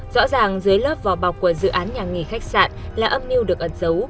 rõ ràng dưới lớp vò bọc của dự án nhà nghỉ khách sạn là âm niu được ẩn dấu